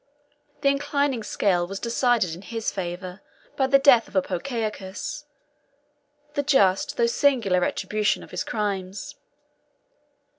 The inclining scale was decided in his favor by the death of Apocaucus, the just though singular retribution of his crimes.